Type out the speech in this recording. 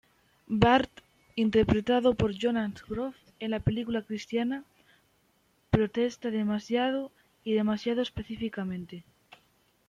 Bart, interpretado por Jonathan Groff en la película cristiana, protesta demasiado, y demasiado específicamente.